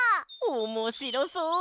おもしろそう！